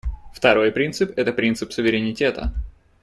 Второй принцип — это принцип суверенитета.